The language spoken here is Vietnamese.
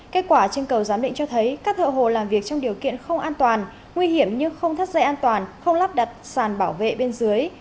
kết quả trên cầu giám định cho thấy các thợ hồ làm việc trong điều kiện không an toàn nguy hiểm như không thắt dây an toàn không lắp đặt sàn bảo vệ bên dưới